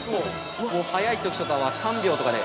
◆もう早いときとかは３秒とかで。